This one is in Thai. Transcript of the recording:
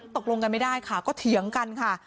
ตกลงกันไม่ได้ค่ะก็เถียงกันค่ะ